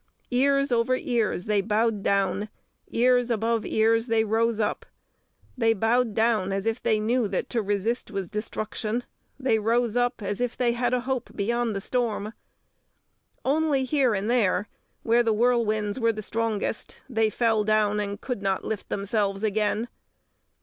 Ears over ears they bowed down; ears above ears they rose up. They bowed down as if they knew that to resist was destruction; they rose up as if they had a hope beyond the storm. Only here and there, where the whirlwinds were the strongest, they fell down and could not lift themselves again.